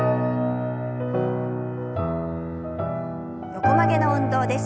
横曲げの運動です。